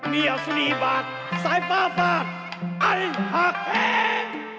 เมียฟรีบาทสายฟ้าฝาดอันหาแฮง